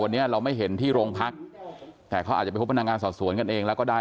วันนี้เราไม่เห็นที่โรงพักแต่เขาอาจจะไปพบพนักงานสอบสวนกันเองแล้วก็ได้